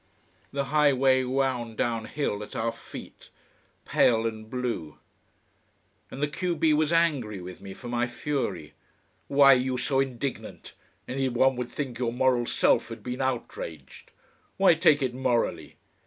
The high way wound down hill at our feet, pale and blue. And the q b was angry with me for my fury. "Why are you so indignant! Anyone would think your moral self had been outraged! Why take it morally?